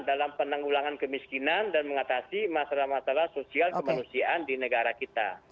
dalam penanggulangan kemiskinan dan mengatasi masalah masalah sosial kemanusiaan di negara kita